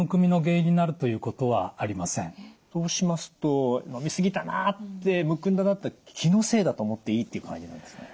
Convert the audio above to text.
そうしますと飲み過ぎたなってむくんだなって気のせいだと思っていいっていう感じなんですかね？